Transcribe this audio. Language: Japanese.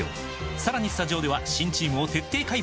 さらにスタジオでは新チームを徹底解剖！